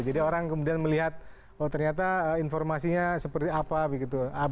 jadi orang kemudian melihat oh ternyata informasinya seperti apa begitu